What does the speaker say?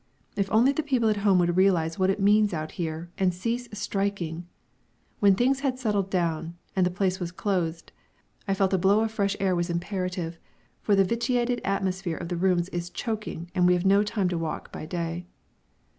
If only the people at home would realise what it means out here, and cease striking! When things had settled down and the place was closed, I felt a blow of fresh air was imperative, for the vitiated atmosphere of the rooms is choking and we have no time to walk by day.